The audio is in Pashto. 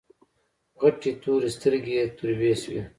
غټې تورې سترګې يې تروې شوې.